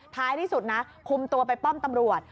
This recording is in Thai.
ท้ายที่สุดนะคุมตัวไปป้อมตำรวจ